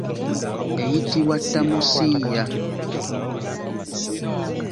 Eyitibwa tamusiiya.